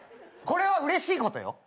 これはうれしいことよ。